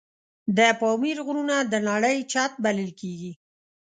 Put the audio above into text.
د پامیر غرونه د نړۍ چت بلل کېږي.